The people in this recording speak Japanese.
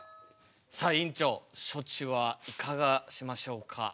さあ院長処置はいかがしましょうか？